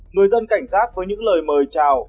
người dân cảnh giác với những lời mời chào